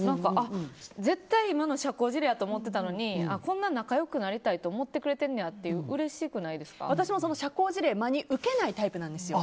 絶対今の社交辞令だと思ってたのにこんな仲良くなりたいと思ってくれてんねやって私も社交辞令真に受けないタイプなんですよ。